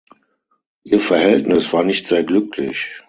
Ihr Verhältnis war nicht sehr glücklich.